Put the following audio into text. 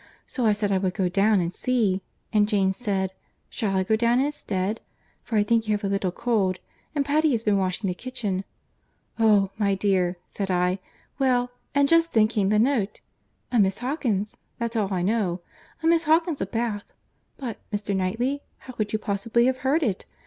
So I said I would go down and see, and Jane said, 'Shall I go down instead? for I think you have a little cold, and Patty has been washing the kitchen.'—'Oh! my dear,' said I—well, and just then came the note. A Miss Hawkins—that's all I know. A Miss Hawkins of Bath. But, Mr. Knightley, how could you possibly have heard it?